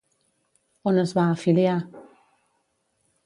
On es va afiliar?